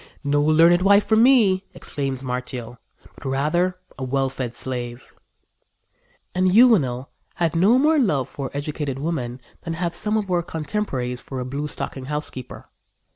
"No learned wife for me," exclaims Martial, "but rather a well fed slave." And Juvenal had no more love for educated women than have some of our contemporaries for a blue stocking housekeeper.